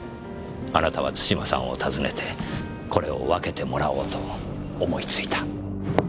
あなたは津島さんを訪ねてこれを分けてもらおうと思いついた。